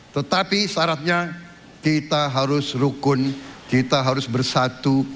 tetapi syaratnya kita harus rukun kita harus bersatu